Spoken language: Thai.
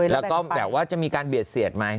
แล้วก็แบบว่าจะมีการเบียดเสียดไหม